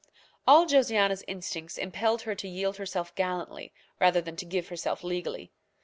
All Josiana's instincts impelled her to yield herself gallantly rather than to give herself legally.